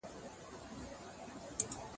په ګوزار یې د مرغه زړګی خبر کړ